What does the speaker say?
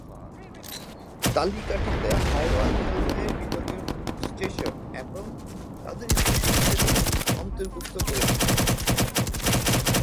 তালিকাটিতে Howrah railway বিভাগের station এবং তাদের স্টেশন শ্রেণী অন্তর্ভুক্ত করেছে।